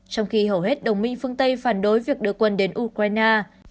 trong khi hầu hết đồng minh phương tây phản đối việc đưa quân đến ukraine